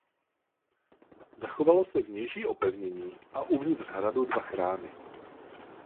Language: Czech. Zachovalo se vnější opevnění a uvnitř hradu dva chrámy.